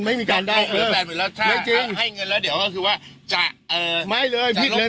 ไม่มีการได้แล้วถ้าให้เงินแล้วเดี๋ยวก็คือว่าจะเอ่อไม่เลยพิษเลย